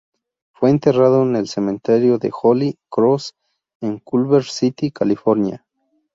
Fue enterrado en el Cementerio de Holy Cross, en Culver City, California.